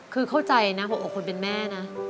คือเข้าใจนะหัวอกคนเป็นแม่นะ